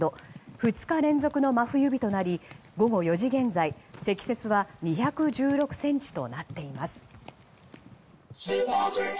２日連続の真冬日となり午後４時現在積雪は２１６ｃｍとなっています。